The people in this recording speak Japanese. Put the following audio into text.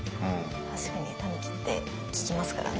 確かにたぬきって聞きますからね。